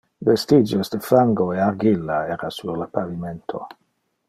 Vestigios de fango e argilla era sur le pavimento.